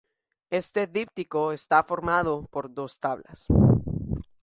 Este Díptico está formado por dos tablas.